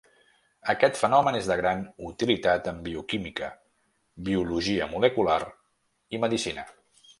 Aquest fenomen és de gran utilitat en bioquímica, biologia molecular i medicina.